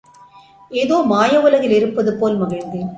ஏதோ மாயவுலகில் இருப்பது போல் மகிழ்ந்தேன்.